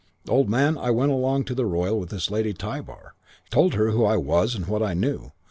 "Old man, I went along to the Royal with this Lady Tybar. Told her who I was and what I knew.